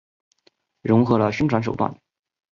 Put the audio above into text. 融合了宣传手段。